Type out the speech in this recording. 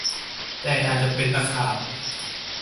แต่อาจจะเป็นตะขาบ